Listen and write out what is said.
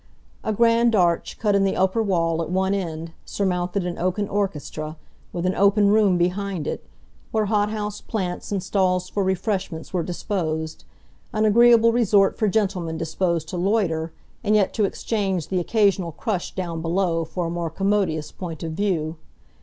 A grand arch, cut in the upper wall at one end, surmounted an oaken orchestra, with an open room behind it, where hothouse plants and stalls for refreshments were disposed; an agreeable resort for gentlemen disposed to loiter, and yet to exchange the occasional crush down below for a more commodious point of view.